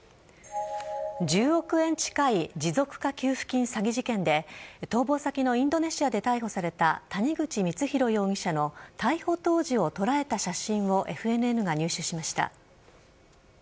１０億円近い持続化給付金詐欺事件で逃亡先のインドネシアで逮捕された谷口光弘容疑者の逮捕当時を捉えた写真をＦＮＮが入手しました。